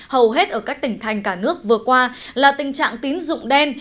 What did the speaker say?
hầu hết ở các tỉnh thành cả nước vừa qua là tình trạng tín dụng đen